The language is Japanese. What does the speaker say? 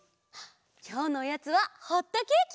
きょうのおやつはホットケーキ！